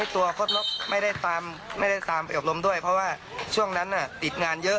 ตัวคดลบไม่ได้ตามไปอบรมด้วยเพราะว่าช่วงนั้นติดงานเยอะ